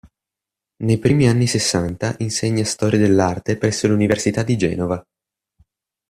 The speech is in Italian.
Nei primi anni sessanta insegna Storia dell'Arte presso l'Università di Genova.